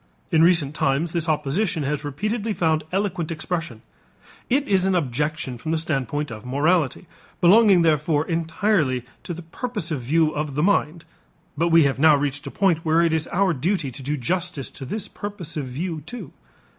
In recent times this opposition has repeatedly found eloquent expression. It is an objection from the standpoint of morality, belonging therefore entirely to the purposive view of the mind, but we have now reached a point where it is our duty to do justice to this purposive view too.